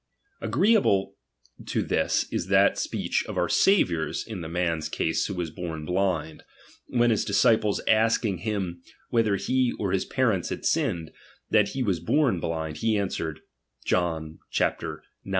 Agreeable to this is that speech of our Saviour's in the man's case who was born blind ; when his disciples asking him whether he or his parents had sinned, that he was born blind, he answered, (John ix.